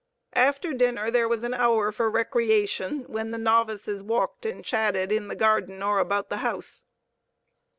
After dinner there was an hour for recreation, when the novices walked and chatted in the garden or about the house.